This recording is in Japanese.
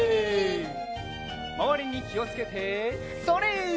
まわりにきをつけてそれ！